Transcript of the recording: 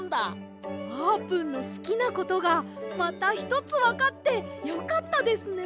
あーぷんのすきなことがまたひとつわかってよかったですね。